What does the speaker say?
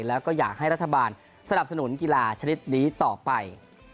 แล้วก็อยากให้รัฐบาลสนับสนุนกีฬาชนิดนี้ต่อไป